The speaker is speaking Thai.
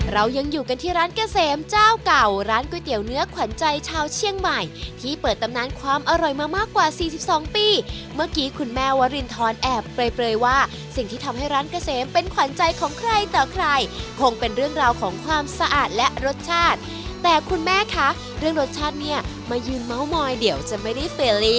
เรายังอยู่กันที่ร้านเกษมเจ้าเก่าร้านก๋วยเตี๋ยวเนื้อขวัญใจชาวเชียงใหม่ที่เปิดตำนานความอร่อยมามากกว่าสี่สิบสองปีเมื่อกี้คุณแม่วรินทรแอบเปลยว่าสิ่งที่ทำให้ร้านเกษมเป็นขวัญใจของใครต่อใครคงเป็นเรื่องราวของความสะอาดและรสชาติแต่คุณแม่คะเรื่องรสชาติเนี่ยมายืนเม้ามอยเดี๋ยวจะไม่ได้